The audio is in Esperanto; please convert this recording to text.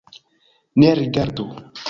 Ne rigardu!